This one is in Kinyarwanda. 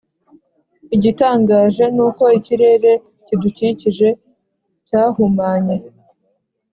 igitangaje ni uko ikirere kidukikije cyahumanye